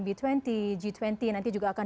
b dua puluh g dua puluh nanti juga akan